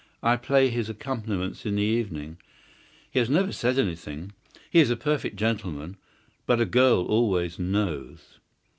I play his accompaniments in the evening. He has never said anything. He is a perfect gentleman. But a girl always knows."